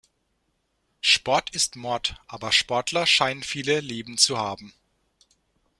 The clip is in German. Sport ist Mord, aber Sportler scheinen viele Leben zu haben.